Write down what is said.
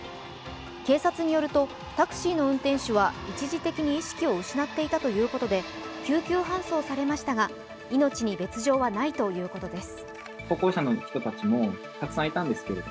警察によると、タクシーの運転手は一時的に意識を失っていたということで救急搬送されましたが命に別状はないということです。